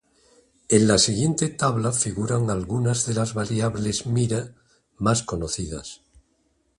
En la siguiente tabla figuran algunas de las variables Mira más conocidas.